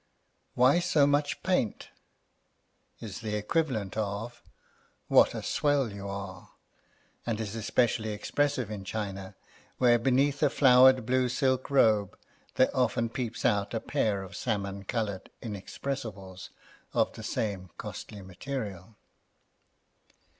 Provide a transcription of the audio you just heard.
Why so much paint? is the equivalent of What a swell you are! and is specially expressive in China, where beneath a flowered blue silk robe there often peeps out a pair of salmon coloured inexpressibles of the same costly material.